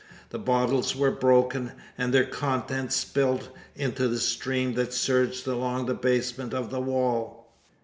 The bottles were broken, and their contents spilled into the stream that surged along the basement of the wall.